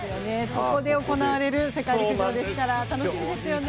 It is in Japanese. そこで行われる世界陸上ですから楽しみですね。